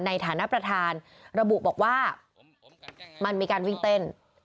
ในฐานะประธานระบุบอกว่ามันมีการวิ่งเต้น